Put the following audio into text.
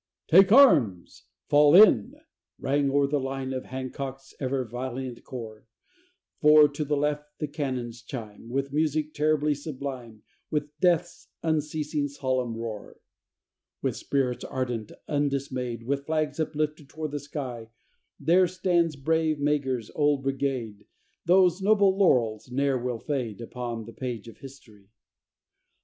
"Take arms!" "Fall in!" rang o'er the line Of Hancock's ever valiant corps For to the left the cannons chime With music terribly sublime, With death's unceasing, solemn roar. With spirits ardent, undismayed, With flags uplifted toward the sky, There stands brave Meagher's old brigade Those noble laurels ne'er will fade Upon the page of history.